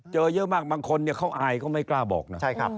เจอเยอะมากบางคนเขาอายเขาไม่กล้าบอกนะ